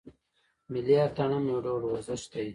ملي اتڼ هم یو ډول ورزش دی.